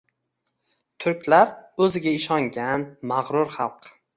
Turklar oʻziga ishongan, magʻrur xalq.